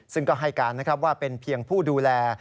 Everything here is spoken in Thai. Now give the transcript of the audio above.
ซึ่งก็ให้การนะครับว่าเป็นเพียงผู้ดูแล